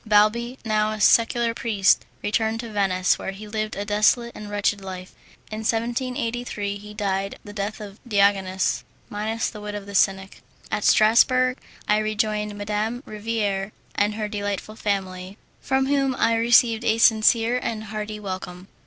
Balbi, now a secular priest, returned to Venice, where he lived a dissolute and wretched life. In 1783 he died the death of Diogenes, minus the wit of the cynic. At Strassburg I rejoined Madame Riviere and her delightful family, from whom I received a sincere and hearty welcome.